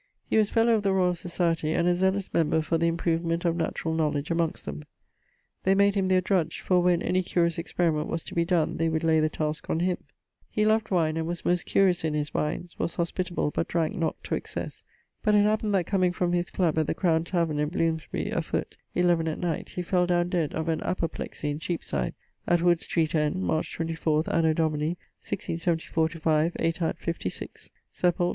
He was fellowe of the Royall Societie, and a zealous member for the improvement of naturall knowledge amongst them. They made him their drudge, for when any curious experiment was to be donne they would lay the taske on him. He loved wine and was most curious in his wines, was hospitable, but dranke not to excesse, but it happened that comeing from his club at the Crowne taverne in Bloomesbery, a foote, 11 at night, he fell downe dead of an apoplexie in Cheapside, at Wood street end, March 24, Anno Domini 1674/5, aetat. 56. Sepult.